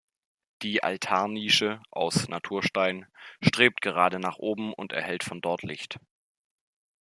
Die Altarnische aus Naturstein strebt gerade nach oben und erhält von dort Licht.